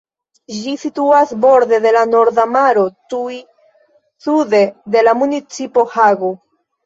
Ĝi situas borde de la Norda Maro, tuj sude de la municipo Hago.